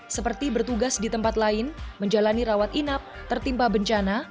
seperti bertugas di tempat lain menjalani rawat inap tertimpa bencana